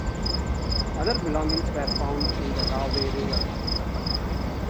Other belongings were found in the Rahway River.